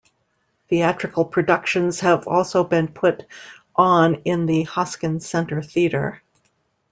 Theatrical productions have also been put on in the Hoskins Centre theatre.